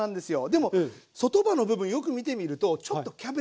でも外葉の部分よく見てみるとちょっとキャベツのね